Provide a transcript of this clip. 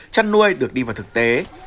chăn nuôi được đi vào thực tế